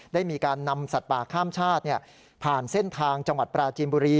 ได้มีการนำสัตว์ป่าข้ามชาติผ่านเส้นทางจังหวัดปราจีนบุรี